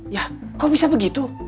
ya kok bisa begitu